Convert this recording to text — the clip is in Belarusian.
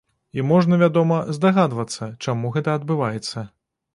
І можна, вядома, здагадвацца, чаму гэта адбываецца.